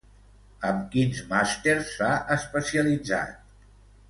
Amb quins màsters s'ha especialitzat?